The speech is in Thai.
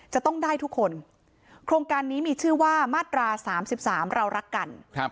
จะต้องได้ทุกคนโครงการนี้มีชื่อว่ามาตรา๓๓เรารักกัน